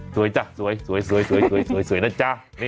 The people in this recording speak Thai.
สวยโจะสวยแน่นะจ้า